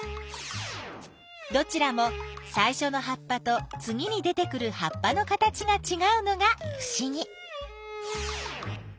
どちらもさいしょの葉っぱとつぎに出てくる葉っぱの形がちがうのがふしぎ。